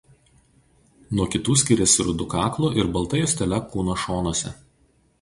Nuo kitų skiriasi rudu kaklu ir balta juostele kūno šonuose.